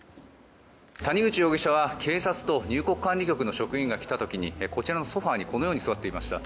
谷口容疑者は警察と入国管理局の職員が来た時にこちらのソファにこのように座っていました。